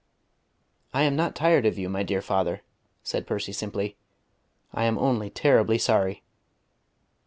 "I am not tired of you, my dear father," said Percy simply. "I am only terribly sorry.